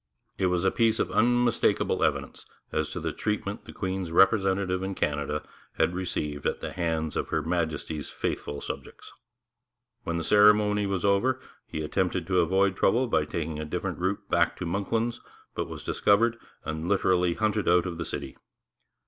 It was a piece of unmistakable evidence as to the treatment the Queen's representative in Canada had received at the hands of Her Majesty's faithful subjects. When the ceremony was over he attempted to avoid trouble by taking a different route back to 'Monklands,' but he was discovered, and literally hunted out of the city.